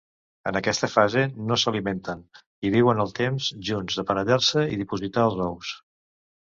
En aquesta fase no s'alimenten, i viuen el temps just d'aparellar-se i dipositar els ous.